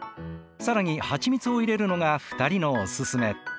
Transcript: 更に蜂蜜を入れるのが２人のおすすめ。